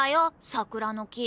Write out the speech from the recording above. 桜の木。